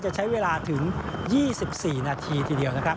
จะใช้เวลาถึง๒๔นาทีทีเดียวนะครับ